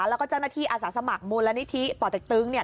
แล้วก็เจ้าหน้าที่อาสาสมัครมูลนิธิป่อเต็กตึง